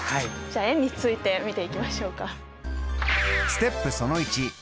じゃあ円について見ていきましょうか。